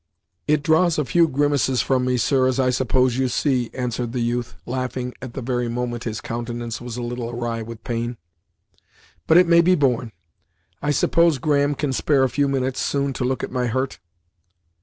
"It draws a few grimaces from me, sir, as I suppose you see," answered the youth, laughing at the very moment his countenance was a little awry with pain. "But it may be borne. I suppose Graham can spare a few minutes, soon, to look at my hurt."